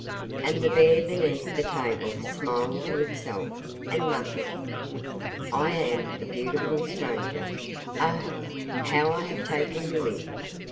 And the bear beneath the table smiled to itself, and muttered: 'I am the beautiful stranger; oh, how I have taken you in!